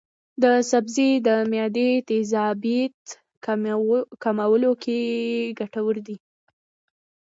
دا سبزی د معدې د تیزابیت کمولو کې ګټور دی.